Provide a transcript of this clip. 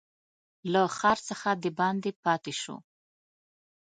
له ښار څخه دباندي پاته شو.